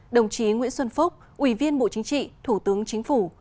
đồng chí nguyễn xuân phúc ủy viên bộ chính trị thủ tướng chính phủ